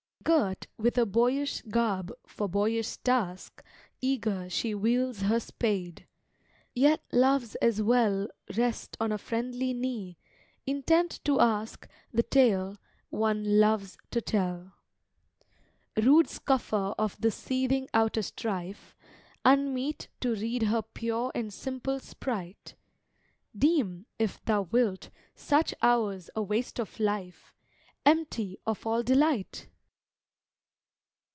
Girt with a boyish garb for boyish task, Eager she wields her spade: yet loves as well Rest on a friendly knee, intent to ask The tale one loves to tell. Rude scoffer of the seething outer strife, Unmeet to read her pure and simple spright, Deem, if thou wilt, such hours a waste of life, Empty of all delight!